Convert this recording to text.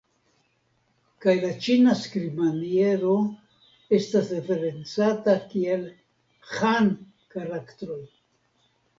Kaj la Ĉina skribmaniero estas referencata kiel "Han karaktroj".